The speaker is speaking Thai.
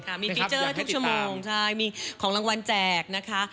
มีฟีเจอร์ทุกชั่วโมงใช่มีของรางวัลแจกนะคะ